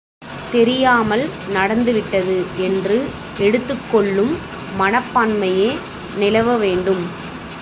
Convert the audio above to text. தெரியாமல் நடந்துவிட்டது என்று எடுத்துக் கொள்ளும் மனப்பான்மையே நிலவ வேண்டும்.